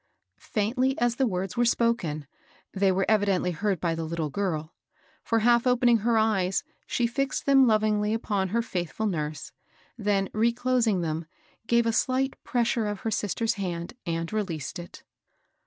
'* Faintly as the words were s^pc^^xi^ ^«^ ^^5s^ 278 MABEL ROSS. evidently heard by the little girl ; for, half opening her eyes, she fixed them lovingly npon her &ith fiil nurse, then, reclosing them, gave a slight pres sure of her sister's hand, and released it.